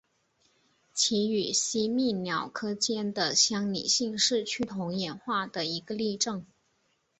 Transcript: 其与吸蜜鸟科间的相拟性是趋同演化的一个例证。